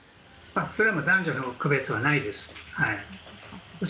それは男女の区別はないです。